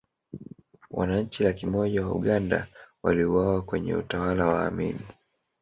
wananchi laki moja wa uganda waliuawa kwenye utawala wa amini